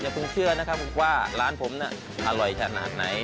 เพิ่งเชื่อนะครับว่าร้านผมน่ะอร่อยขนาดไหน